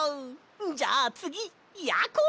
じゃあつぎやころ！